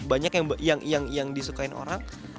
banyak yang disukain orang